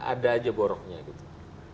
ada aja boroknya gitu